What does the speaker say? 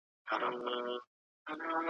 دا وطن دی د زمريو `